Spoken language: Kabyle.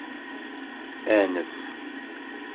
Anef!